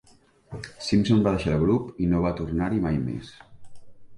Simpson va deixar el grup i no va tornar-hi mai més.